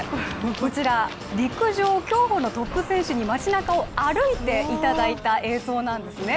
こちら、陸上・競歩のトップ選手に街なかを歩いてもらった映像なんですね。